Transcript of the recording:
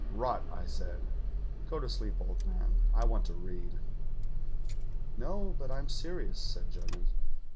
"'Rot,' I said. 'Go to sleep, old man. I want to read.' '"No. but I'm serious,' said Juggins.